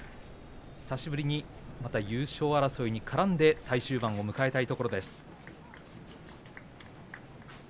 久しぶりにまた優勝争いに絡んで最終盤を迎えたいところです。